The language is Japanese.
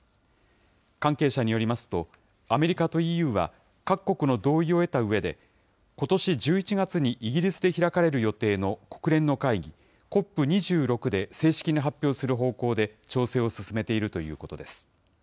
関係者によりますと、アメリカとＥＵは、各国の同意を得たうえで、ことし１１月にイギリスで開かれる予定の国連の会議、ＣＯＰ２６で正式に発表する方向で調整を進めているということです。